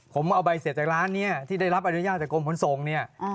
ผมเอาใบเสร็จจากร้านนี้ที่ได้รับอนุญาตจากกรมขนส่งเนี่ย